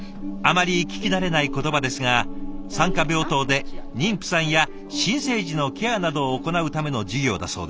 あまり聞き慣れない言葉ですが産科病棟で妊婦さんや新生児のケアなどを行うための授業だそうで。